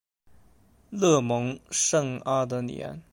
勒蒙圣阿德里安。